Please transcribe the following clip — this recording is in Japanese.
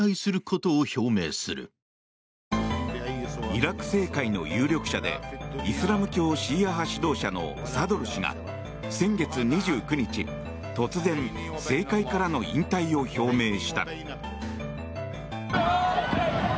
イラク政界の有力者でイスラム教シーア派指導者のサドル師が先月２９日、突然政界からの引退を表明した。